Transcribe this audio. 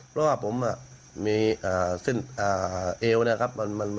เพราะว่าผมมีเส้นเอวนะครับ